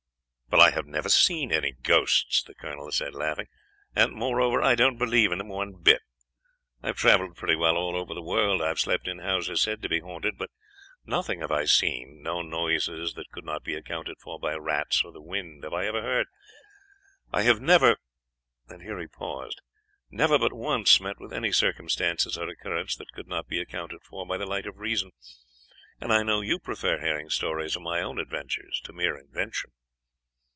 "But I have never seen any ghosts," the colonel said, laughing; "and, moreover, I don't believe in them one bit. I have traveled pretty well all over the world, I have slept in houses said to be haunted, but nothing have I seen no noises that could not be accounted for by rats or the wind have I ever heard. I have never " and here he paused "never but once met with any circumstances or occurrence that could not be accounted for by the light of reason, and I know you prefer hearing stories of my own adventures to mere invention."